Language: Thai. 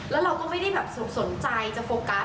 แล้วเราก็ไม่ได้แบบสนใจจะโฟกัส